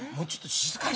静かに。